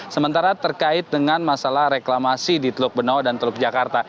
sementara terkait dengan masalah reklamasi di teluk benoa dan teluk jakarta